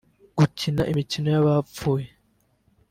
gukina imikino y’abapfuye